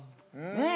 うん！